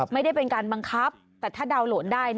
ไม่ได้เป็นการบังคับแต่ถ้าดาวนโหลนได้